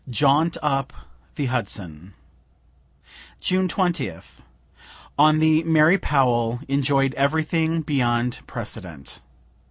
JAUNT UP THE HUDSON June 20th. On the "Mary Powell," enjoy'd everything beyond precedent.